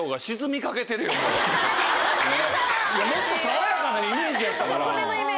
もっと爽やかなイメージやったから。